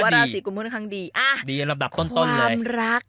ถูกต้องครับ